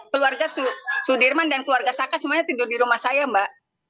keluarga sudirman dan keluarga saka semuanya tidur di rumah saya mbak